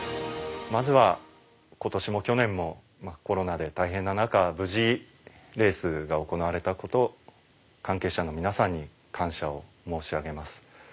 まずは今年も去年もコロナで大変な中無事レースが行われたこと関係者の皆さんに感謝を申し上げます。